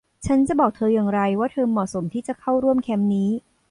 ฉันจะบอกเธออย่างไรว่าเธอเหมาะสมที่จะเข้าร่วมแคมป์นี้ ?